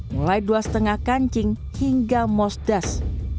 mulai dua lima kancing hingga mosdas